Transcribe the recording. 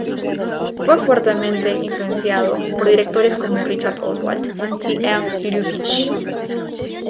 Fue fuertemente influenciado por directores como Richard Oswald y Ernst Lubitsch.